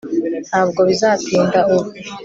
ntabwo bizatinda ubu